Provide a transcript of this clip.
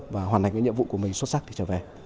và hoàn thành cái nhiệm vụ của mình xuất sắc thì trở về